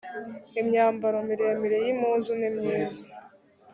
imyambaro miremire y impuzu nimyiza